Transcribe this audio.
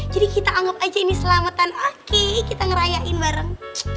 jadi kita anggap aja ini selamatan oke kita ngerayain bareng